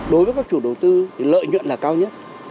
đối với các chủ đầu tư thì lợi nhuận là cao nhất